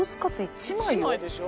１枚でしょ？